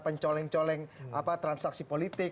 pencoleng coleng transaksi politik